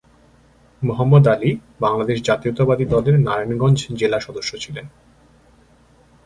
মোহাম্মদ আলী বাংলাদেশ জাতীয়তাবাদী দলের নারায়ণগঞ্জ জেলা সদস্য ছিলেন।